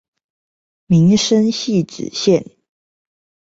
民生汐止線